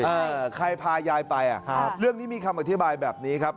ถ้าใครพายายไปเรื่องที่มีคำอธิบายแบบนี้ครับ